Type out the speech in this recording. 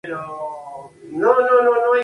El impreciso sueño zapatista.